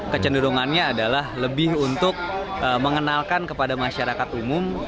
kecenderungannya adalah lebih untuk mengenalkan kepada masyarakat umum